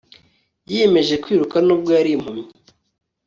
yiyemeje kwiruka nubwo yari impumyi